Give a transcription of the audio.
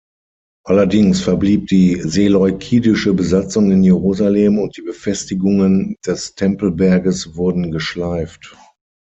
Allerdings verblieb die seleukidische Besatzung in Jerusalem, und die Befestigungen des Tempelberges wurden geschleift.